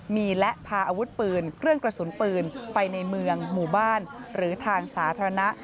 มีและพาอาวุธปืนเครื่องกระสุนปืนไปในเมืองหมู่บ้านหรือทางสาธารณะ